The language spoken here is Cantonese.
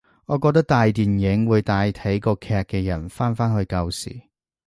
我覺得大電影會帶睇過劇嘅人返返去舊時